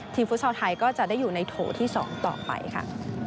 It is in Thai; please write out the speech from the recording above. ฟุตซอลไทยก็จะได้อยู่ในโถที่๒ต่อไปค่ะ